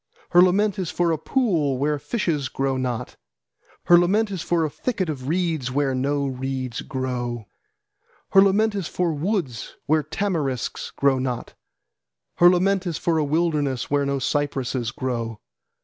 Her lament is for a pool, where fishes grow not. Her lament is for a thickest of reeds, where no reeds grow. Her lament is for woods, where tamarisks grow not. Her lament is for a wilderness where no cypresses (?) grow.